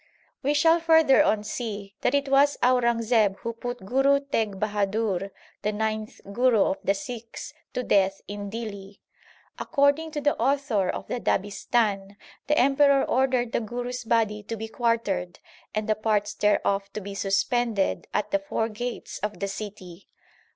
l We shall further on see that it was Aurangzeb who put Guru Teg Bahadur, the ninth Guru of the Sikhs, to death in Dihli. According to the author of the Dabistan the emperor ordered the Guru s body to be quartered and the parts thereof to be suspended at the four gates of the city.